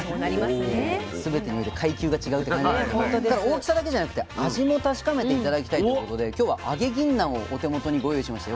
すべてにおいて階級が違うって感じなんですけどただ大きさだけじゃなくて味も確かめて頂きたいということで今日は揚げぎんなんをお手元にご用意しました。